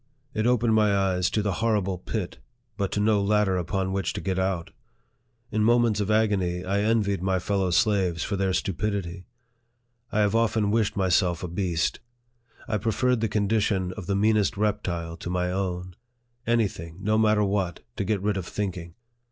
It opened my eyes to the horrible pit, but to no ladder upon which to get out. In moments of agony, I envied my fellow slaves for their stupidity. I have often wished myself a beast. I preferred the condition of the meanest reptile to my own. Any thing, no matter what, to get rid of think ing